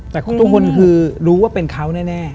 แต่ทุกคนคือรู้ว่าเป็นเขาแน่